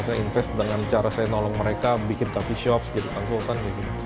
saya invest dengan cara saya nolong mereka bikin coffee shop gitu konsultan gitu